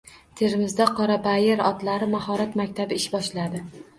Termizda Qorabayir otlari mahorat maktabi ish boshladi